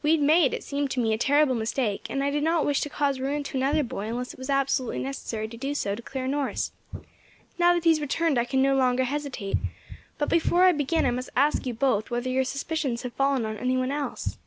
We had made, it seemed to me, a terrible mistake, and I did not wish to cause ruin to another boy unless it was absolutely necessary to do so to clear Norris. Now that he has returned I can no longer hesitate; but before I begin I must ask you both whether your suspicions have fallen on any one else?"